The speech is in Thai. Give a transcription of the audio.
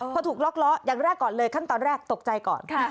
พอถูกล็อกล้ออย่างแรกก่อนเลยขั้นตอนแรกตกใจก่อน